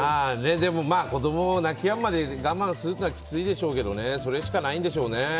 でも子供が泣きやむまで我慢するのはきついでしょうがそれしかないんでしょうね。